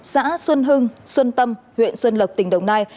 xã xuân hưng xuân tâm huyện xuân lộc tỉnh đồng nai